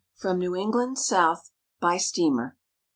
FROM NEW ENGLAND SOUTH BY STEAMER.